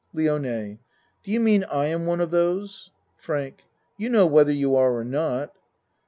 LIONE Do you mean I am one of those? FRANK You know whether you are or not.